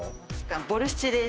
ボルシチです。